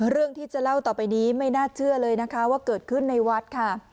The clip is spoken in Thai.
เรื่องที่จะเล่าต่อไปนี้ไม่น่าเชื่อเลยนะคะว่าเกิดขึ้นในวัดค่ะ